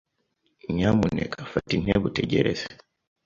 Nyamuneka fata intebe utegereze.